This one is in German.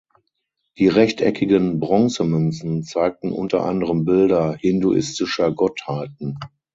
Die rechteckigen Bronzemünzen zeigten unter anderem Bilder hinduistischer Gottheiten.